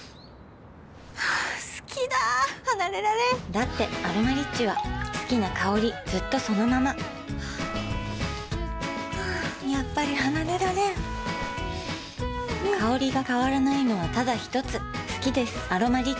好きだ離れられんだって「アロマリッチ」は好きな香りずっとそのままやっぱり離れられん香りが変わらないのはただひとつ好きです「アロマリッチ」